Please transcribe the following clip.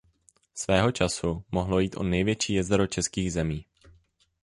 Svého času mohlo jít o největší jezero Českých zemí.